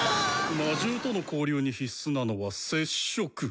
魔獸との交流に必須なのは「接触」。